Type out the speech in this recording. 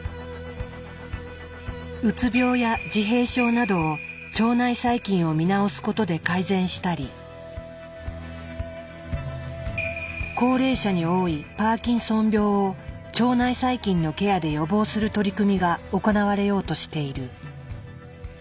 うつ病や自閉症などを腸内細菌を見直すことで改善したり高齢者に多いパーキンソン病を腸内細菌のケアで予防する取り組みが行われようとしている。